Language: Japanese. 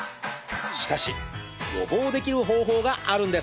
しかし予防できる方法があるんです。